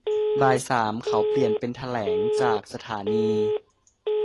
บ่ายสามเขาเปลี่ยนเป็นแถลงจากสถานี